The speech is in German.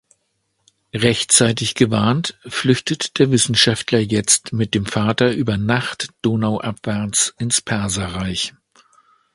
Rechtzeitig gewarnt, flüchtet der Wissenschaftler jetzt mit dem Vater über Nacht donauabwärts ins Perserreich.